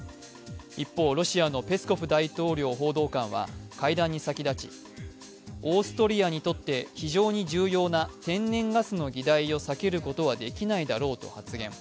一方、ロシアのペスコフ大統領報道官は会談に先立ち、オーストリアにとって非常に重要な天然ガスの議題を避けることはできないだろうと発言。